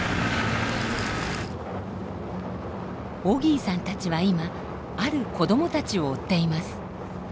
オギーさんたちは今ある子どもたちを追っています。